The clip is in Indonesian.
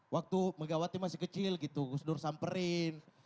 waktu megawati masih kecil gitu gus dur samperin